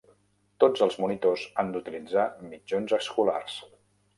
Tots els monitors han d'utilitzar mitjons escolars.